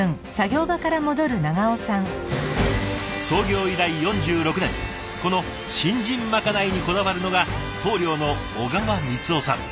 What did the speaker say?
創業以来４６年この新人まかないにこだわるのが棟梁の小川三夫さん。